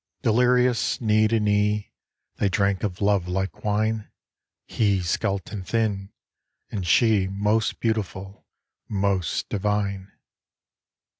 Delirious, knee to knee, They drank of love like wine, He skeleton thin, and she Most beautiful, most divine.